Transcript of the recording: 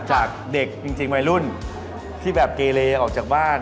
จากเด็กจริงวัยรุ่นที่แบบเกเลออกจากบ้าน